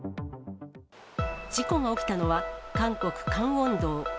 事故が起きたのは韓国・カンウォン道。